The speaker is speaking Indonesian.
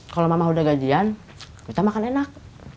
kalau mama udah gajian kita makan enak